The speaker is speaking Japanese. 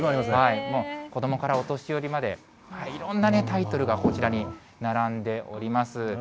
子どもからお年寄りまで、いろんなタイトルがこちらに並んでおります。